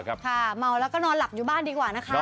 เมาแล้วก็นอนหลับอยู่บ้านดีกว่านะคะ